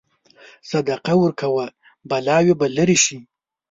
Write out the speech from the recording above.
صدقه ورکوه، بلاوې به لرې شي.